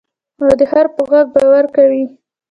او د خر په غږ باور کوې.